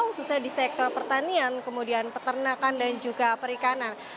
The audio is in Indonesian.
khususnya di sektor pertanian kemudian peternakan dan juga perikanan